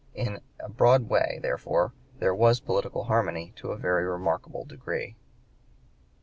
In a broad way, therefore, there was political harmony to a very remarkable degree.